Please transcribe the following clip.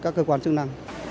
các cơ quan chức năng